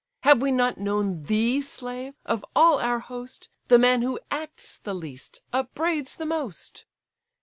Have we not known thee, slave! of all our host, The man who acts the least, upbraids the most?